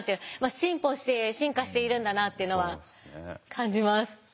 進歩して進化しているんだなというのは感じます。